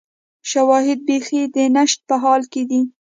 شواهد بیخي د نشت په حال کې دي